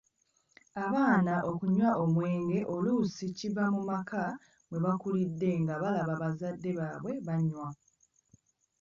Abaana okunywa omwenge oluusi kiva mu maka mwe bakulidde nga balaba bazadde baabwe banywa.